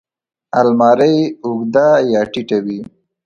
الماري اوږده یا ټیټه وي